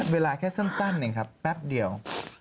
เวลาแค่สั้นเองครับแป๊บเดียว